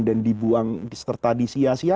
dan dibuang serta disiasiakan